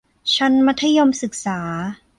ชั้นมัธยมศึกษา